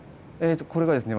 これはですね